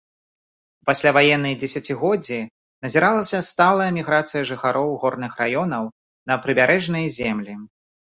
У пасляваенныя дзесяцігоддзі назіралася сталая міграцыя жыхароў горных раёнаў на прыбярэжныя землі.